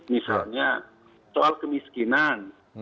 misalnya soal kemiskinan